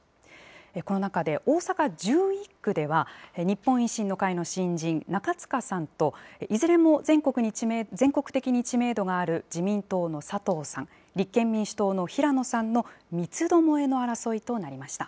この中で、大阪１１区では日本維新の会の新人、中司さんと、いずれも全国的に知名度がある自民党の佐藤さん、立憲民主党の平野さんの三つどもえの争いとなりました。